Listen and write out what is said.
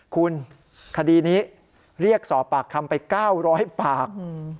คุณคดีนี้เรียกสอบปากคำไป๙๐๐ปาก